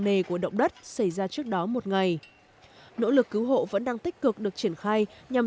nề của động đất xảy ra trước đó một ngày nỗ lực cứu hộ vẫn đang tích cực được triển khai nhằm